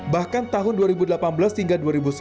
bahkan tahun dua ribu delapan belas hingga dua ribu sembilan belas